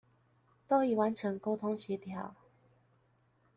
都已完成溝通協調